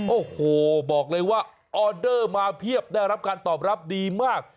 โอ้โหบอกเลยว่าออเดอร์มาเพียบได้รับการตอบรับดีมาก